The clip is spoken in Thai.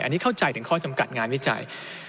อันนี้เข้าใจถึงข้อจำกัดงานวิจัย